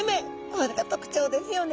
これが特徴ですよね！